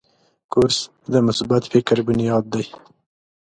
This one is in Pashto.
کورس د مثبت فکر بنیاد دی.